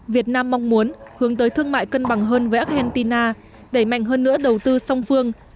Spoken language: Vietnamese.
việt nam mong muốn hướng tới thương mại cân bằng hơn với argentina đẩy mạnh hơn nữa đầu tư song phương